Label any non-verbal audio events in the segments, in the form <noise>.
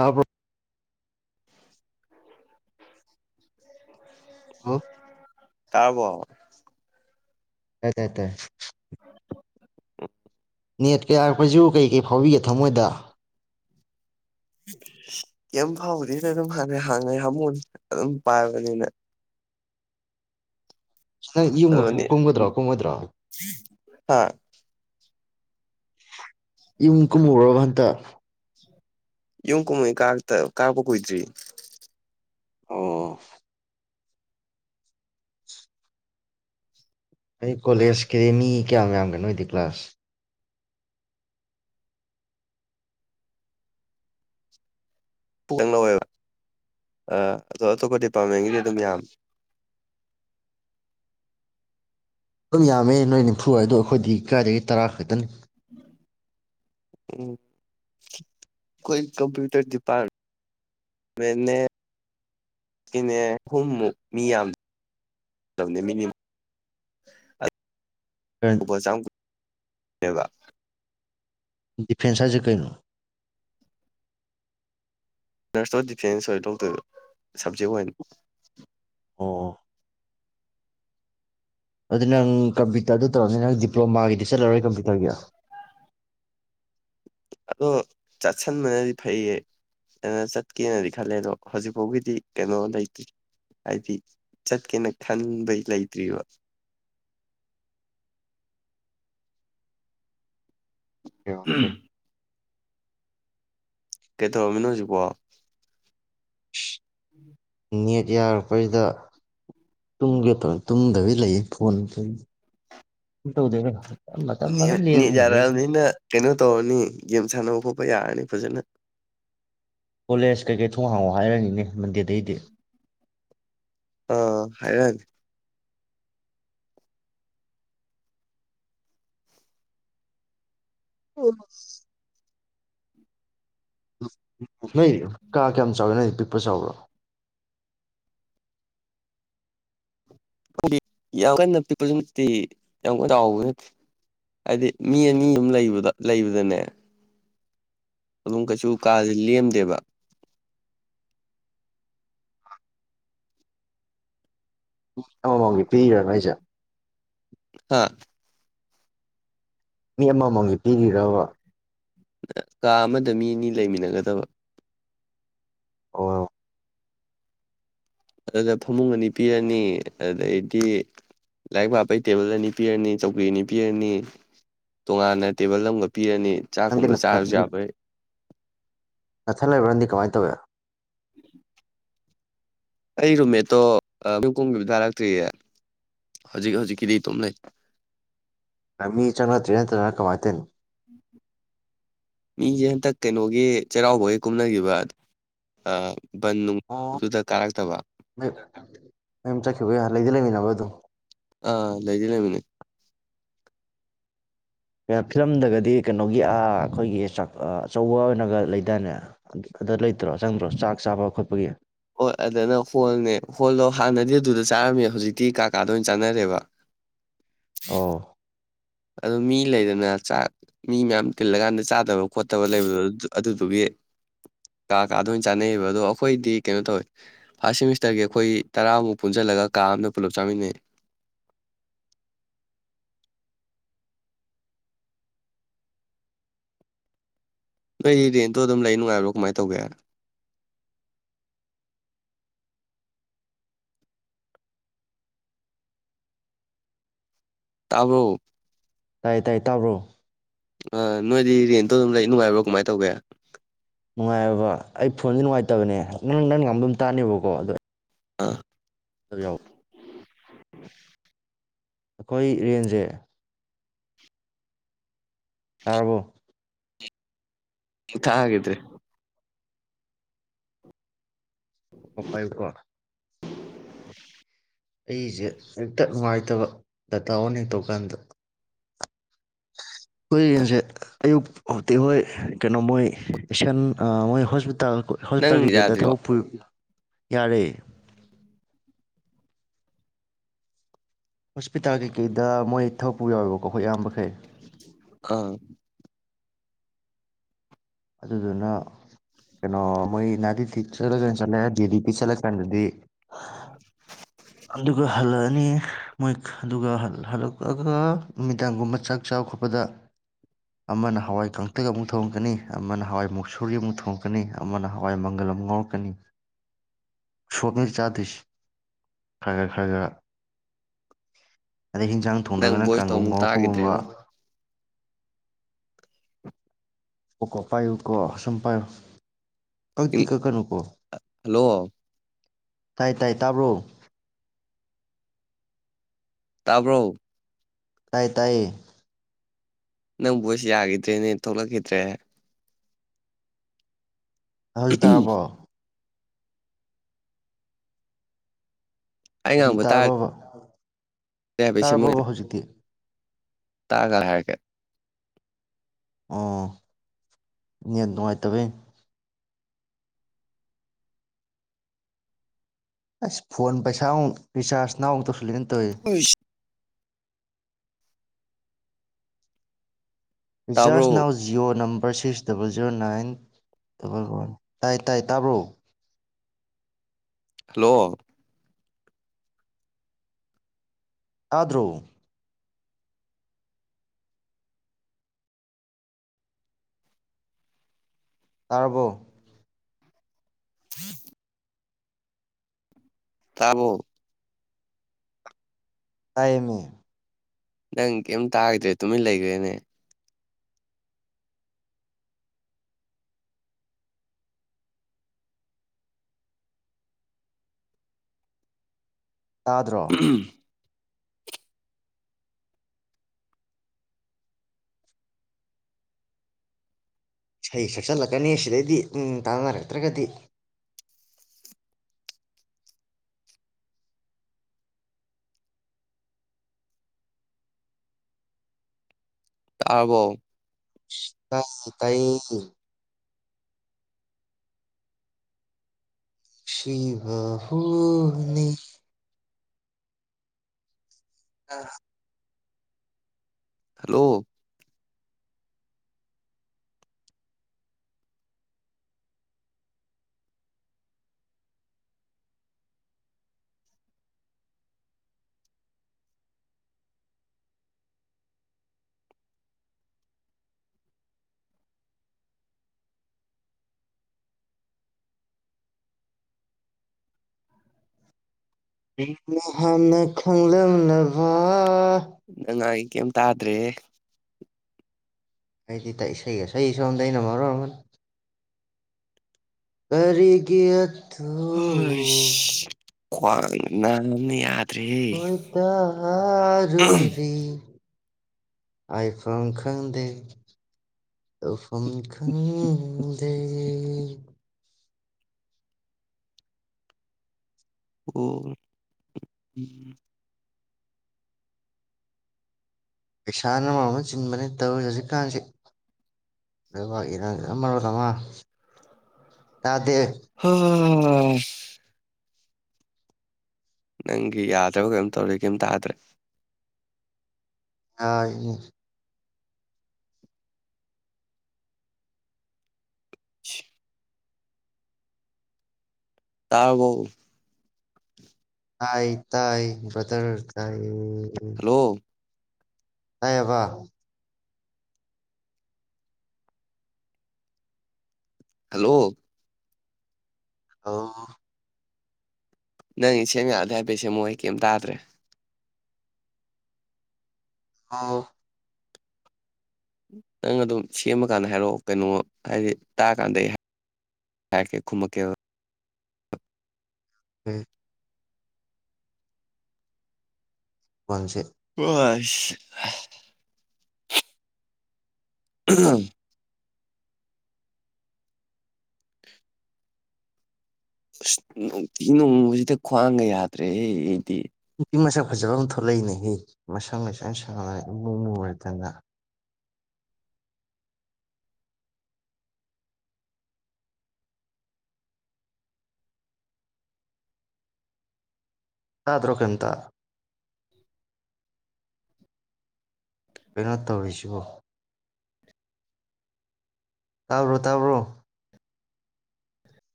ꯑꯥꯕꯣ ꯇꯥꯕꯣ ꯇ ꯇ ꯇ ꯅꯦꯠ ꯀꯌꯥ ꯌꯥꯔꯛꯄꯁꯨ ꯀꯩ ꯀꯩ ꯐꯥꯎꯕꯤꯒꯦ ꯊꯃꯣꯏꯗ ꯌꯥꯝ ꯐꯥꯎꯕꯗꯤꯅ ꯑꯗꯨꯝ ꯍ ꯍꯥꯡꯉꯦ ꯍꯥꯃꯨ ꯑꯗꯨꯝ ꯄꯥꯏꯕꯅꯤꯅ ꯪ ꯌꯨꯝꯕ ꯑꯗꯨꯅꯤ ꯀꯨꯝꯒꯗ꯭ꯔꯥ ꯀꯨꯝꯒꯗ꯭ꯔꯥ ꯍꯥ ꯏꯨꯨꯡ ꯀꯨꯝꯃꯔꯕꯕꯟꯗ ꯌꯨꯝ ꯀꯨꯝꯍꯩ ꯀꯥꯄ ꯀꯨꯏꯗ꯭ꯔꯤ ꯑꯣ ꯑꯩ ꯀꯣꯂꯦꯖꯀꯤꯗꯤ ꯃꯤ ꯀꯌꯥꯝ ꯌꯥꯝꯒꯅꯣꯗꯤ ꯀ꯭ꯂꯥꯁ ꯄꯪ ꯂꯧꯋꯦꯕ ꯑ ꯑꯗꯣ ꯑꯇꯣꯞꯄ ꯗꯤꯄꯥꯔꯠꯃꯦꯟꯒꯤꯗꯤ ꯑꯗꯨꯝ ꯌꯥꯝꯃꯦ ꯑꯗꯨꯝ ꯌꯥꯝꯃꯦ ꯅꯣꯏ ꯅꯤꯝꯐꯨ ꯑꯣꯏ ꯑꯗꯣ ꯑꯩꯈꯣꯏꯗꯤ ꯀꯥꯏꯔꯤꯗꯒꯤ ꯇꯔꯥ ꯈꯛꯇꯅꯤ ꯎꯝ ꯎꯝ ꯑꯩꯈꯣꯏ ꯀꯝꯄ꯭ꯌꯨꯇꯔ ꯗꯤꯄꯥꯔꯠꯄꯥꯔꯃꯦꯟꯅꯦꯅꯦ ꯑꯍꯨꯝꯃꯨꯛ ꯃꯤ ꯌꯥꯝꯅꯦꯅꯤ ꯁ ꯀꯕ ꯗꯤꯐꯦꯟꯁꯁꯦ ꯀꯩꯅꯣ ꯅꯔꯁ ꯑꯣꯐ ꯗꯤꯐꯦꯟꯁ ꯑꯣꯏ ꯗꯣꯛꯇꯔ ꯁꯕꯖꯦꯛ ꯑꯣꯏꯅꯅꯤ ꯑꯣ ꯑꯗꯨ ꯅꯪ ꯀꯝꯄ꯭ꯌꯨꯇꯔꯗꯨ ꯇꯧꯔꯅꯤ ꯅꯪ ꯗꯤꯄ꯭ꯂꯣꯃꯥꯒꯤꯗꯤ ꯆꯠꯂꯔꯣꯏ ꯀꯝꯄ꯭ꯌꯨꯇꯔꯒꯤ ꯑꯗꯣ ꯆꯠꯁꯟꯕꯅꯗꯤ ꯐꯩꯌꯦ ꯀꯩꯅ ꯆꯠꯀꯦꯅꯗꯤ ꯈꯜꯂꯦ ꯑꯗꯣ ꯍꯧꯖꯤꯛꯐꯥꯎꯒꯤꯗꯤ ꯀꯩꯅꯣ ꯂꯩꯇ꯭ꯔꯤ ꯍꯥꯏꯗꯤ ꯆꯠꯀꯦꯅ ꯈꯟꯕꯩ ꯂꯩꯇ꯭ꯔꯤꯕ ꯑꯣꯀꯦ ꯎꯝ ꯀꯩꯗꯃꯤꯅ ꯍꯧꯖꯤꯀ ꯎꯝ ꯅꯦꯠ ꯌꯥꯔꯛꯄꯁꯤꯗ ꯇꯨꯝꯒꯦ ꯇ ꯇꯨꯝꯗꯕꯤ ꯂꯩꯌꯦ ꯐꯣꯟ ꯄ ꯇꯧꯗꯃ ꯅꯦꯠ ꯂ ꯌꯥꯔꯛꯑꯕꯅꯤꯅ ꯀꯩꯅꯣ ꯇꯧꯔꯅꯤ ꯒꯦꯝ ꯁꯥꯟꯅꯕ ꯈꯣꯠꯄ ꯌꯥꯔꯅꯤ ꯐꯖꯅ ꯀꯣꯂꯦꯖ ꯀꯩꯀꯩ ꯊꯣꯡ ꯍꯥꯡꯉꯑꯣ ꯍꯥꯏꯔꯅꯤꯅꯦ ꯃꯟꯗꯦꯗꯩꯗꯤ ꯑ ꯍꯥꯏꯔꯅꯤ ꯎ ꯑ ꯅꯣꯏ ꯀꯥ ꯀꯌꯥꯝ ꯆꯥꯎꯋꯤ ꯅꯣꯏ ꯄꯔꯣ ꯆꯥꯎꯕ꯭ꯔꯣ ꯌꯥꯝ ꯀꯟꯅ ꯄꯤꯛꯄꯁꯨ ꯅꯠꯇꯦ ꯌꯥꯝ ꯀꯟꯅ ꯆꯥꯎꯕꯁꯨ ꯅꯠꯇꯦ ꯍꯥꯏꯗꯤ ꯃꯤ ꯑꯅꯤ ꯑꯃ ꯂꯩꯕꯗ ꯂꯩꯕꯗꯅꯦ ꯑꯗꯨꯝ ꯀꯩꯁꯨ ꯀꯥꯥꯁꯦ ꯂꯦꯝꯗꯦꯕ ꯃꯤ ꯑꯃꯃꯝꯒꯤ ꯄꯤꯔꯤꯔ ꯅꯣꯏꯖꯦ ꯍꯥꯥ ꯃꯤ ꯑꯃꯃꯝꯒꯤ ꯄꯤꯔꯤꯔꯕ ꯀꯥ ꯑꯃꯗ ꯃꯤ ꯑꯅꯤ ꯂꯩꯃꯤꯟꯅꯒꯗꯕ ꯑꯣ ꯑꯗꯨꯗ ꯐꯃꯨꯡ ꯑꯅꯤ ꯄꯤꯔꯅꯤ ꯑꯗꯩꯗꯤ ꯂꯥꯏꯔꯤꯛ ꯄꯥꯕꯩ ꯇꯦꯕꯜ ꯑꯅꯤ ꯄꯤꯔꯅꯤ ꯆꯧꯀꯔꯤ ꯑꯅꯤ ꯄꯤꯔꯅꯤ ꯇꯣꯉꯥꯟꯅ ꯇꯦꯕꯜ ꯑꯃꯒ ꯄꯤꯔꯅꯤ ꯅꯪꯗꯤ ꯆꯥꯛꯀꯨꯝꯕ ꯆꯥꯔꯁꯨ ꯌꯥꯕꯩ ꯅꯊꯟ ꯂꯩꯕ꯭ꯔ ꯅꯪꯗꯤ ꯀꯃꯥꯏꯅ ꯇꯧꯋꯤ ꯑꯩ ꯔꯨꯝꯃꯦꯠꯇꯣ ꯌꯨꯝ ꯀꯨꯝꯒꯤ ꯀꯥꯔꯛꯇ꯭ꯔꯤꯌꯦ ꯍꯧꯖꯤꯛ ꯍꯧꯖꯤꯛꯀꯤꯗꯤ ꯑꯗꯨꯝ ꯂꯩ ꯉ ꯃꯤ ꯆꯪꯅꯇ꯭ꯔꯔꯤ ꯅꯠꯇꯅ ꯀꯃꯥꯏꯇꯦꯅꯣ ꯃꯤꯁꯦ ꯍꯟꯇꯛ ꯀꯩꯅꯣꯒꯤ ꯆꯩꯔꯥꯎꯕꯒꯤ ꯀꯨꯝꯅꯈꯤꯕ ꯑ ꯕꯟ ꯑꯣ ꯅꯨꯡꯗꯨꯗ ꯀꯥꯔꯛꯇꯕ ꯀ ꯂꯩꯗꯤ ꯂꯩꯃꯤꯟꯅꯕ ꯑ ꯑꯗꯨꯝ ꯑ ꯂꯩꯗꯤ ꯂꯩꯃꯤꯅꯩ ꯐꯤꯂꯝꯗꯒꯗꯤ ꯀꯩꯅꯣꯒꯤ ꯑꯩꯈꯣꯏꯒꯤ ꯑꯆꯧꯕ ꯑꯣꯏꯅꯒ ꯂꯩꯗꯥꯏꯅꯦ ꯑꯗꯨꯗ ꯂꯩꯇ꯭ꯔꯣ ꯆꯪꯗ꯭ꯔꯣ ꯆꯥꯛ ꯆꯥꯕ ꯈꯣꯠꯄꯒꯤ ꯍꯣꯏ ꯑꯗꯨꯅ ꯍꯣꯜꯅꯦ ꯍꯣꯜꯗꯣ ꯍꯥꯟꯅꯗꯤ ꯑꯗꯨꯗ ꯆꯥꯔꯝꯃꯦ ꯍꯧꯖꯤꯛꯇꯤ ꯀꯥ ꯀꯥꯗ ꯑꯣꯏꯅ ꯆꯥꯅꯔꯦꯕ ꯑꯣ ꯑꯗꯨ ꯃꯤ ꯂꯩꯗꯅ ꯆꯥꯛ ꯃꯤ ꯃꯌꯥꯝ ꯇꯤꯜꯂꯀꯥꯟꯗ ꯆꯥꯗꯕ ꯈꯣꯠꯇꯕ ꯂꯩꯕꯗ ꯑꯗꯨꯗꯨꯒꯤ ꯀꯥ ꯀꯥꯗ ꯑꯣꯏꯅ ꯆꯥꯅꯩꯌꯦꯕ ꯑꯗꯣ ꯑꯩꯈꯣꯏꯗꯤ ꯀꯩꯅꯣ ꯇꯧꯋꯦ ꯐꯥꯔꯁ ꯁꯦꯃꯤꯁꯇꯔꯒꯤ ꯑꯩꯈꯣꯏ ꯇꯔꯥꯃꯨꯛ ꯄꯨꯟꯁꯤꯜꯂꯒ ꯀꯥ ꯑꯃꯗ ꯄꯨꯂꯞ ꯆꯥꯃꯤꯟꯅꯩ ꯅꯣꯏꯗꯤ ꯔꯦꯟꯇꯣ ꯑꯗꯨꯝ ꯂꯩ ꯅꯨꯡꯉꯥꯏꯕ꯭ꯔꯣ ꯀꯃꯥꯏꯅ ꯇꯧꯒꯦ ꯇꯥꯕꯔꯣ ꯇꯥꯏ ꯇꯥꯏꯌꯦ ꯇꯥꯕ꯭ꯔꯣ ꯑ ꯅꯣꯏꯗꯤ ꯔꯦꯟꯇꯣ ꯑꯗꯨꯝ ꯂꯩ ꯅꯨꯡꯉꯥꯏꯕ꯭ꯔꯣ ꯀꯃꯥꯏꯅ ꯇꯧꯒꯦ ꯅꯨꯡꯉꯥꯏꯌꯦꯕ ꯑꯩ ꯐꯣꯟꯖꯤ ꯅꯨꯡꯉꯥꯏꯇꯕꯅꯦ ꯅꯪ ꯅꯪ ꯉꯥꯡꯕ ꯇꯥꯅꯦꯕꯀꯣ ꯑꯗꯣ ꯑꯥ ꯑꯗꯨ ꯌꯥꯎ <inaudible> ꯑꯈꯣꯏ ꯔꯦꯟꯖꯦ ꯇꯥꯔꯕꯣ ꯇꯥꯒꯤꯗꯔꯦ ꯄꯥꯏꯌꯨꯀꯣ <inaudible> ꯑꯩꯁꯦ ꯍꯦꯛꯇ ꯅꯨꯡꯉꯥꯏꯇꯕ ꯗꯇꯥ ꯑꯣꯟ ꯍꯦꯛꯛ ꯇꯧ ꯀꯥꯟꯗ ꯑꯈꯣꯏ ꯔꯦꯟꯖꯦ ꯑꯌꯨꯛ ꯍꯧꯗꯤ ꯍꯣꯏ ꯀꯩꯅꯣ ꯃꯣꯏ ꯏꯁꯟ ꯃꯣꯏ ꯍꯣꯁꯄꯤꯇꯥꯜ ꯅꯪ ꯍꯣꯁꯄꯤꯇꯥꯜ ꯀꯩꯀꯩꯗ ꯌꯥꯗ꯭ꯔꯤ ꯊꯕꯛ ꯄꯨ ꯌꯥꯔꯦ ꯍꯣꯁꯄꯤꯇꯥꯜ ꯀꯩꯀꯩꯗ ꯃꯣꯏ ꯊꯕꯛꯄꯨ ꯌꯥꯎꯋꯦꯕꯀꯣ ꯑꯩꯈꯣꯏ ꯑꯌꯥꯝꯕꯈꯩ ꯑꯥ ꯑꯗꯨꯗꯨꯅ ꯀꯩꯅꯣ ꯃꯣꯏ ꯅꯥꯗꯤꯤ ꯆꯠꯂꯒꯥꯟ ꯆꯠꯂꯦ ꯗꯦꯗꯤ ꯄꯤꯛ ꯆꯠꯂꯀꯥꯟꯗꯗꯤ ꯑ ꯑꯗꯨꯒ ꯍꯜꯂꯛꯑꯅꯤ ꯃꯣꯏ ꯑꯗꯨꯒ ꯍꯜꯂꯛꯑꯒ ꯅꯨꯃꯤꯗꯥꯡꯒꯨꯝꯕ ꯆꯥꯛ ꯆꯥꯕ ꯈꯣꯠꯄꯗ ꯑꯃꯅ ꯍꯋꯥꯏ ꯀꯇꯛ ꯑꯃꯨꯛ ꯊꯣꯡꯉꯛꯀꯅꯤ ꯑꯃꯅ ꯍꯋꯥꯏ ꯃꯨꯛꯁꯨꯔꯤ ꯑꯃꯨꯛ ꯊꯣꯡꯉꯛꯀꯅꯤ ꯑꯃꯅ ꯍꯋꯥꯏ ꯃꯪꯒꯜ ꯑꯃꯨꯛ ꯉꯥꯎꯔꯛꯀꯅꯤ ꯁꯣꯛꯅ ꯆꯥꯗꯣꯏꯁꯦ ꯈꯪꯉꯦ ꯈꯪꯉꯦ ꯑꯗꯩ ꯍꯤꯟꯖꯥꯡ ꯅꯪ ꯊꯣꯡꯗꯔ꯭ꯒꯅ ꯚꯣꯏꯁꯇꯣ ꯀꯥꯡꯒꯧ ꯑꯃꯨꯛ ꯉꯧꯔꯛꯄꯒꯨꯝꯕ ꯇꯥꯈꯤꯗ꯭ꯔꯦꯕꯣ ꯑꯣ ꯀꯣ ꯄꯌꯨ ꯀꯣ ꯁꯨꯝ ꯄꯥꯏꯌꯣ ꯀꯛꯇꯤ ꯀꯛꯀꯅꯨꯀꯣ ꯍꯜꯂꯣ ꯇꯥꯏ ꯇꯥꯏ ꯇꯥꯕ꯭ꯔꯣ ꯇꯥꯕ꯭ꯔꯣ ꯇꯥꯏ ꯇꯥꯏꯌꯦ ꯅꯪ ꯕꯣꯏꯁ ꯌꯥꯈꯤꯗ꯭ꯔꯦꯅꯦ ꯊꯣꯛꯂꯛꯈꯤꯗ꯭ꯔꯦ ꯍꯧꯖꯤꯛ ꯇꯥꯔꯕꯣ ꯑꯩ ꯖꯤ ꯉꯥꯡꯕ ꯇꯥꯔꯦ ꯇꯥꯔꯕꯔ꯭ꯕ ꯇꯥꯔꯕꯔ꯭ꯕ ꯍꯧꯖꯤꯛꯇꯤ ꯇꯥꯔ ꯀꯥꯟꯗ ꯍꯥꯏꯔꯛꯀꯦ ꯑꯣ ꯅꯦꯠ ꯅꯨꯡꯉꯥꯏꯇꯕꯩꯅꯤ ꯑꯁ ꯐꯣꯟ ꯄꯩꯁꯥ ꯑꯃꯨꯛ ꯔꯤꯆꯥꯔꯖ ꯅꯥꯎ ꯑꯃꯨꯛ ꯇꯧꯁꯤꯜꯂꯛꯑꯦꯅꯦ ꯇꯧꯋꯦ ꯔꯤꯖꯥꯔꯁ ꯇꯥꯕ꯭ꯔꯣ ꯅꯥꯎ Jio number five six double zero nine double one ꯇꯥꯏ ꯇꯥꯏ ꯇꯥꯕ꯭ꯔꯣ ꯍꯜꯂꯣ ꯇꯥꯗ꯭ꯔꯣ ꯇꯥꯔꯕꯣ ꯍꯝ ꯇꯥꯕꯔꯣ ꯇꯥꯏꯌꯦꯃꯤ ꯅꯪ ꯀꯩꯝ ꯇꯥꯒꯤꯗ꯭ꯔꯦ ꯇꯨꯃꯤꯟ ꯂꯩꯈ꯭ꯔꯦꯅꯦ ꯇꯥꯗ꯭ꯔꯣ ꯏꯁꯩ ꯁꯛꯆꯤꯜꯂꯛꯀꯅꯤ ꯁꯤꯗꯩꯗꯤ ꯎꯝ꫰ꯇꯥꯅꯔꯛꯇ꯭ꯔꯒꯗꯤ ꯇꯥꯔꯕꯣ ꯇꯥꯏ ꯇꯥꯏꯌꯦ ꯅꯨꯡꯁꯤꯕ ꯍꯨꯅꯤ ꯑ ꯍꯜꯂꯣ ꯑꯩꯅ ꯍꯥꯟꯅ ꯈꯪꯂꯝꯃꯕ ꯅꯪ ꯉꯥꯡꯉꯤꯗꯣ ꯀꯩꯝ ꯇꯥꯗ꯭ꯔꯦꯍꯦ ꯑꯩꯗꯤ ꯏꯁꯩꯒꯥ ꯁꯛꯏ ꯁꯣꯝꯗ ꯑꯩꯅ ꯃꯔꯣ ꯑꯃ ꯀꯔꯤꯒꯤ ꯑꯊꯨꯈꯣꯏ ꯍꯩꯁ ꯈꯋꯥꯡ ꯅꯕꯅ ꯌꯥ ꯈꯣꯏꯗꯔꯨꯔꯤ ꯍꯥꯏ ꯐꯝ ꯈꯪꯗꯦ ꯄꯨꯡꯈꯪꯗꯦ ꯎꯝ ꯑꯣ ꯄꯩꯁꯥꯅ ꯃꯔꯣꯝ ꯑꯃ ꯆꯤꯟꯕꯅꯤ ꯇꯧꯔꯤ ꯍꯧꯖꯤꯛꯀꯥꯟꯁꯤ ꯂꯩꯕꯥꯛ ꯏꯔꯥꯪꯅ ꯃꯔꯣꯜ ꯑꯃ ꯇꯗꯦ ꯎꯝ ꯅꯪꯒꯤ ꯌꯥꯗ꯭ꯔꯕ ꯀꯩꯝ ꯇꯧꯔꯤ ꯀꯩꯝ ꯇꯥꯗ꯭ꯔꯦ ꯑ ꯏ <inaudible> ꯇꯥꯔꯕꯣ ꯇꯥꯏ ꯇꯥꯏ ꯕꯗꯔ ꯇꯥꯏ ꯍꯜꯂꯣ ꯇꯥꯏꯕ ꯍꯜꯂꯣ ꯑ ꯅꯪꯒꯤ ꯁꯦꯝ ꯌꯥꯔꯗꯤ ꯍꯥꯏꯐꯦꯠ ꯁꯦꯝꯃꯛꯑꯣ ꯀꯩꯝ ꯇꯥꯗ꯭ꯔꯦ ꯑꯥ ꯅꯪ ꯑꯗꯨꯝ ꯁꯦꯝꯃ ꯀꯥꯟꯗ ꯍꯥꯏꯔꯛꯑꯣ ꯀꯩꯅꯣ ꯍꯥꯏꯗꯤ ꯇꯥꯛꯑꯀꯥꯟꯗ ꯑꯩ ꯍꯥꯏꯔꯛꯀꯦ ꯈꯨꯃꯛꯀꯦꯕꯥ ꯎꯝ ꯄꯨꯟꯁꯤ ꯏꯁ ꯎ ꯑꯁ ꯅꯨꯡꯇꯤ ꯅꯣꯡꯕꯁꯤꯗ ꯈ꯭ꯋꯥꯡꯒ ꯌꯥꯗ꯭ꯔꯦꯍꯦ ꯑꯩꯗꯤ ꯏ ꯃꯁꯛ ꯐꯖꯕ ꯑꯃ ꯊꯣꯛꯂꯛꯏꯅꯦꯍ ꯃꯁꯪ ꯂꯩꯁꯪ ꯁꯥꯡꯅ ꯏꯃꯨꯡ ꯃꯇꯗ ꯆꯥꯗ꯭ꯔꯣꯀꯇ ꯀꯩꯅꯣ ꯇꯧꯔꯤꯁꯤ ꯇꯥꯕ꯭ꯔꯣ ꯇꯥꯕ꯭ꯔꯣ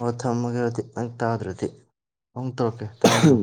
ꯑꯣ ꯊꯝꯃꯒꯦꯔꯗꯤ ꯅꯪ ꯇꯥꯗ꯭ꯔꯗꯤ ꯑꯃꯨ ꯇꯧꯔꯛꯀꯦ ꯇꯥꯎꯔꯤꯨ